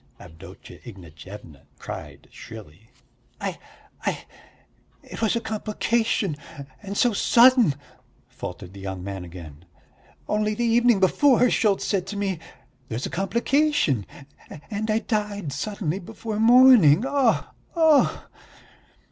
Avdotya Ignatyevna cried shrilly. "I ... I ... it was a complication, and so sudden!" faltered the young man again. "Only the evening before, Schultz said to me, 'There's a complication,' and I died suddenly before morning. Oh! oh!"